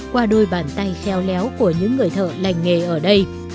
qua đôi bàn tay khéo léo của những người thợ lành nghề ở đây